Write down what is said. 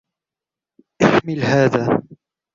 احمل هذا.